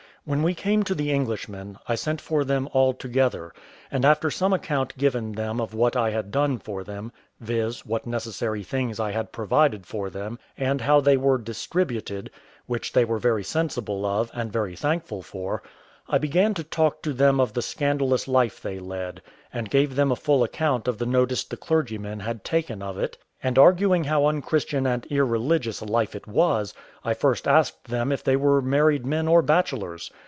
When we came to the Englishmen, I sent for them all together, and after some account given them of what I had done for them, viz. what necessary things I had provided for them, and how they were distributed, which they were very sensible of, and very thankful for, I began to talk to them of the scandalous life they led, and gave them a full account of the notice the clergyman had taken of it; and arguing how unchristian and irreligious a life it was, I first asked them if they were married men or bachelors?